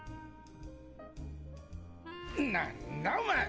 何だお前！